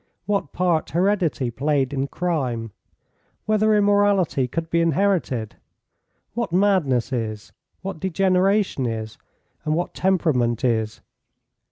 What part heredity played in crime. Whether immorality could be inherited. What madness is, what degeneration is, and what temperament is.